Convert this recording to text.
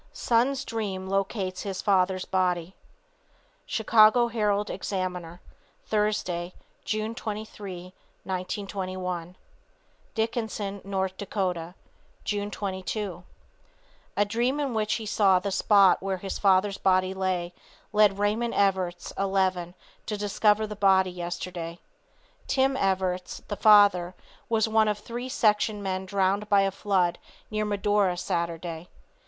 SON'S DREAM LOCATES HIS FATHER'S BODY. Chicago Herald Examiner, Thursday, June 23, 1921 Dickinson, N.D., June 22 A dream in which he saw the spot where his father's body lay led Raymond Everetts, 11, to discover the body yesterday. Tom Everetts, the father, was one of three section men drowned by a flood near Medora Saturday.